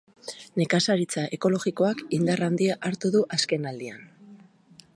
Nekazaritza ekologikoak indar handia hartu du azkenaldian.